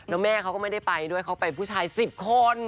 แล้วแม่เขาก็ไม่ได้ไปด้วยเขาไปผู้ชาย๑๐คน